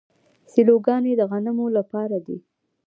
سیلوګانې د غنمو لپاره دي.